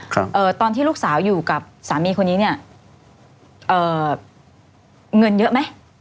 เอ่อตอนที่ลูกสาวอยู่กับสามีคนนี้เนี้ยเอ่อเงินเยอะไหม